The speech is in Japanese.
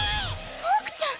ホークちゃん！